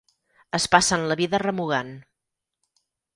Es passen la vida remugant.